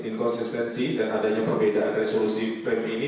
inkonsistensi dan adanya perbedaan resolusi frame ini